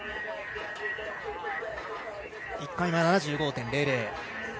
１回目、７５．００。